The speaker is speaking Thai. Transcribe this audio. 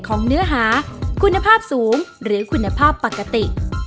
เนื้อหาคุณภาพสูงหรือคุณภาพปกติ